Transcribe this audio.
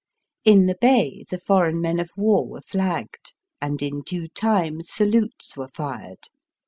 In the bay the foreign men of war were flagged, and in due time salutes were fired.